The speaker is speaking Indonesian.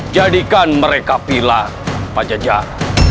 jadikan mereka pilihan pak jajah